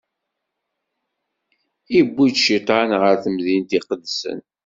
Iwwi-t Cciṭan ɣer temdint iqedsen.